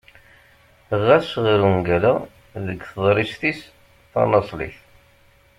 Ɣas ɣeṛ ungal-a deg teḍrist-is tanaṣlit.